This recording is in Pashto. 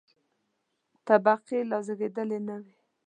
طبقې لا زېږېدلې نه وې.